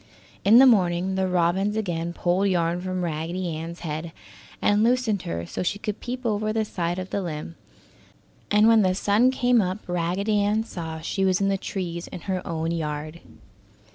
In the morning the robins again pulled yarn from Raggedy Ann's head, and loosened her so she could peep over the side of the limb, and when the sun came up Raggedy Ann saw she was in the trees in her own yard.